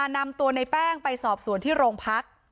นำตัวในแป้งไปสอบสวนที่โรงพัก